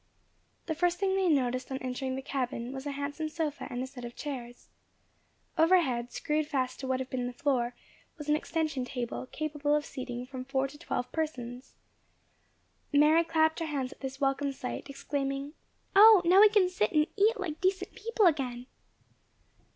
The first thing they noticed on entering the cabin, was a handsome sofa and set of chairs. Overhead, screwed fast to what had been the floor, was an extension table, capable of seating from four to twelve persons. Mary clapped her hands at this welcome sight, exclaiming: "O, now we can sit and eat like decent people again!"